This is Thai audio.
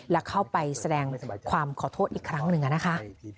และเข้าไปแสดงความขอโทษอีกครั้งหนึ่งนะคะ